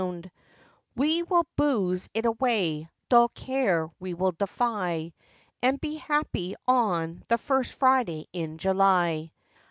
So we'll booze it away, dull care we'll defy, And be happy on the first Friday in July.